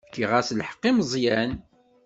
Fkiɣ-as lḥeqq i Meẓyan.